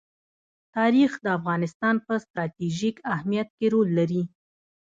تاریخ د افغانستان په ستراتیژیک اهمیت کې رول لري.